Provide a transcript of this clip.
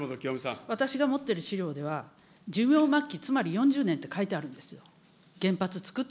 私が持ってる資料では、寿命末期、つまり４０年って書いてあるんですよ。